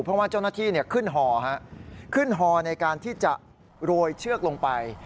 เพราะว่าเจ้าหน้าที่ขึ้นฮอในการที่จะโรยเชือกลงไป